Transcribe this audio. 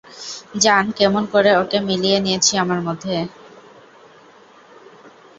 জান কেমন করে ওকে মিলিয়ে নিয়েছি আমার মধ্যে।